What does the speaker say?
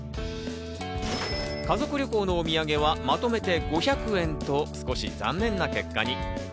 家族旅行のお土産はまとめて５００円と、少し残念な結果に。